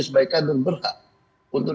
sebaiknya dan berhak untuk